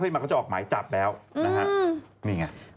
คลิปมาก็จะออกหมายจับแล้วนี่ไง